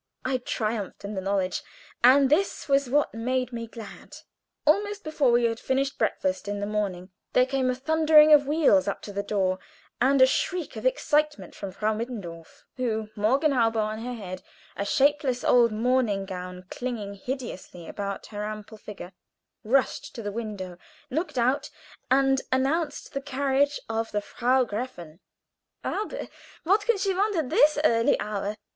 I triumphed in the knowledge, and this was what made me glad. Almost before we had finished breakfast in the morning, there came a thundering of wheels up to the door, and a shriek of excitement from Frau Mittendorf, who, morgenhaube on her head, a shapeless old morning gown clinging hideously about her ample figure, rushed to the window, looked out, and announced the carriage of the Frau Gräfin. "Aber! What can she want at this early hour?"